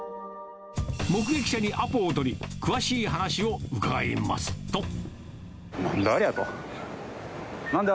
目撃者にアポを取り、詳しい話を伺いますと。